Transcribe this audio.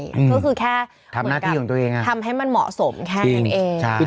ก็คือแค่ทำให้มันเหมาะสมแค่นั้นเอง